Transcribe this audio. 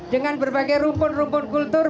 dengan berbagai rumpun rumpun kultur